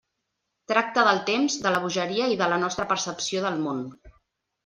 Tracta del temps, de la bogeria i de la nostra percepció del món.